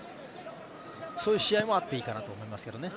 そういう試合もあっていいかなと思いますけどね。